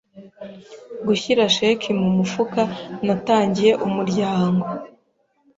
Gushyira sheki mu mufuka, natangiye umuryango.